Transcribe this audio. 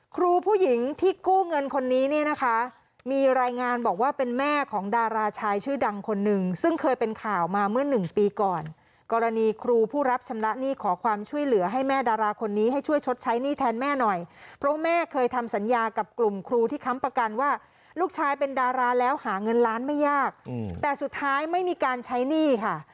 ครูผู้หญิงที่กู้เงินคนนี้เนี่ยนะคะมีรายงานบอกว่าเป็นแม่ของดาราชายชื่อดังคนหนึ่งซึ่งเคยเป็นข่าวมาเมื่อหนึ่งปีก่อนกรณีครูผู้รับชำระหนี้ขอความช่วยเหลือให้แม่ดาราคนนี้ให้ช่วยชดใช้หนี้แทนแม่หน่อยเพราะแม่เคยทำสัญญากับกลุ่มครูที่ค้ำประกันว่าลูกชายเป็นดาราแล้วหาเงินล้านไม่ยากแต่สุดท้ายไม่มีการใช้หนี้ค่ะ